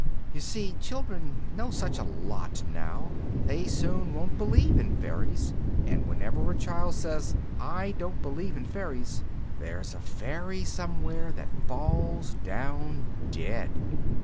You see children know such a lot now. They soon won't believe in fairies, and whenever a child says: 'I don't believe in fairies,' there's a fairy somewhere that falls down dead."